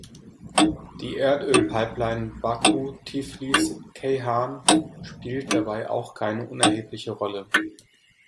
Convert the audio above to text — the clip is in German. Die Erdölpipeline Baku-Tiflis-Ceyhan spielt dabei auch keine unerhebliche Rolle.